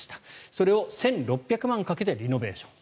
それを１６００万円かけてリノベーション。